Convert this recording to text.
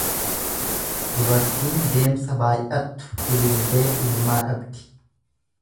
Dubartiin deemsa baay'attu ililbee ilmaa dhabdi.